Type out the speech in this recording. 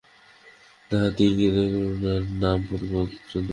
তাহাতে ইঙ্গিতে করুণার নাম পর্যন্ত গাঁথিয়া দিল।